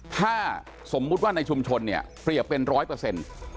ถ้าสมมุติว่าในชุมชนเปรียบเป็น๑๐๐